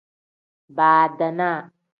Badaanaa.